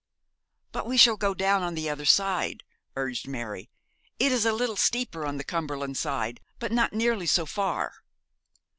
'But we shall go down on the other side,' urged Mary. 'It is a little steeper on the Cumberland side, but not nearly so far.'